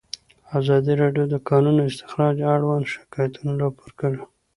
ازادي راډیو د د کانونو استخراج اړوند شکایتونه راپور کړي.